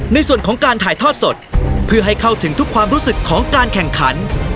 ในส่วนของการถ่ายทอดสดเพื่อให้เข้าถึงทุกความรู้สึกของการแข่งขัน